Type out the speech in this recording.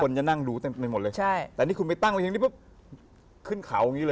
จะนั่งดูเต็มไปหมดเลยใช่แต่นี่คุณไปตั้งไว้อย่างนี้ปุ๊บขึ้นเขาอย่างนี้เลย